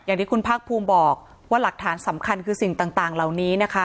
อย่างที่คุณภาคภูมิบอกว่าหลักฐานสำคัญคือสิ่งต่างเหล่านี้นะคะ